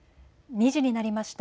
２時になりました。